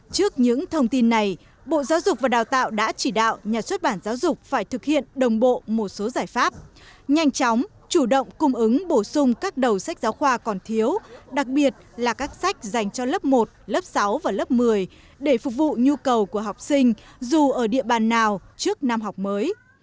trước những thông tin này bộ giáo dục và đào tạo đã chỉ đạo nhà xuất bản giáo dục phải thực hiện đồng bộ một số giải pháp nhanh chóng chủ động cung ứng bổ sung các đầu sách giáo khoa còn thiếu đặc biệt là các sách dành cho lớp một lớp sáu và lớp một mươi để phục vụ nhu cầu của học sinh dù ở địa bàn nào trước năm học mới